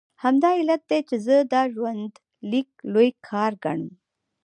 همدا علت دی چې زه دا ژوندلیک لوی کار ګڼم.